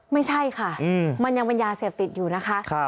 ไม่ใช่ค่ะมันยังเป็นยาเสพติดอยู่นะคะ